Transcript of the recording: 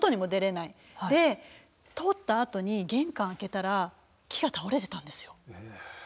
で通ったあとに玄関開けたら木が倒れてたんですよ。